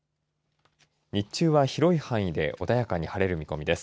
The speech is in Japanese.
日中は広い範囲で穏やかに晴れる見込みです。